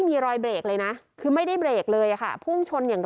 มีรอยเบรกเลยนะคือไม่ได้เบรกเลยอะค่ะพุ่งชนอย่าง